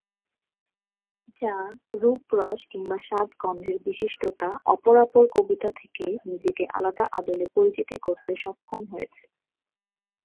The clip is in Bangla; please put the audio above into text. যা রূপ-রস কিংবা স্বাদ-গন্ধের বিশিষ্টতা অপরাপর কবিতা থেকে নিজেকে আলাদা আদলে পরিচিতি করতে সক্ষম হয়েছে।